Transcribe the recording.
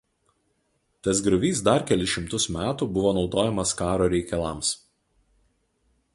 Tas griovys dar kelis šimtus metų buvo naudojamas karo reikalams.